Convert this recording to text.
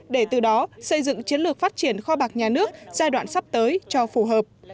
để từ đó xây dựng chiến lược phát triển kho bạc nhà nước giai đoạn sắp tới cho phù hợp